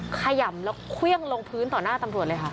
ขย่ำแล้วเครื่องลงพื้นต่อหน้าตำรวจเลยค่ะ